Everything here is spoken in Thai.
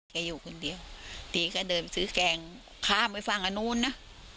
อยู่คนเดียวตีก็เดินไปซื้อแกงข้ามไปฝั่งอันนู้นนะ